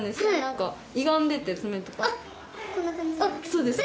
そうです。